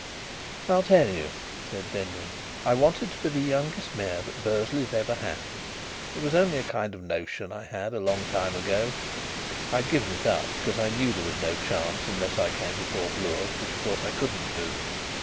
"I'll tell you," said Denry. "I wanted to be the youngest mayor that Bursley's ever had. It was only a kind of notion I had a long time ago. I'd given it up, because I knew there was no chance unless I came before Bloor, which of course I couldn't do.